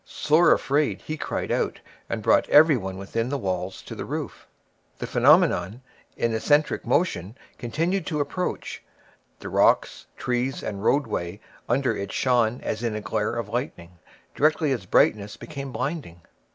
Sore afraid, he cried out, and brought everybody within the walls to the roof. The phenomenon, in eccentric motion, continued to approach; the rocks, trees, and roadway under it shone as in a glare of lightning; directly its brightness became blinding.